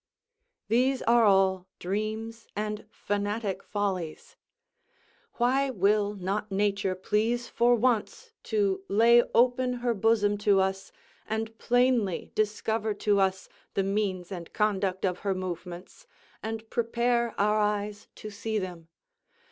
These are all dreams and fanatic follies. Why will not nature please for once to lay open her bosom to us, and plainly discover to us the means and conduct of her movements, and prepare our eyes to see them?